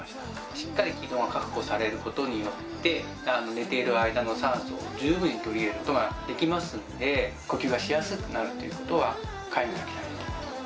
しっかり気道が確保されることによって寝ている間の酸素を十分に取り入れることができますので呼吸がしやすくなるということは快眠が期待できます